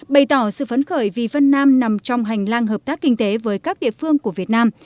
bày tỏ sự phấn khởi vì vân nam nằm trong hành lang hợp tác kinh tế với các địa phương của việt nam